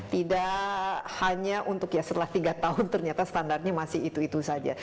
tidak hanya untuk ya setelah tiga tahun ternyata standarnya masih itu itu saja